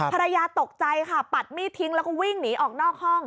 ภรรยาตกใจค่ะปัดมีดทิ้งแล้วก็วิ่งหนีออกนอกห้อง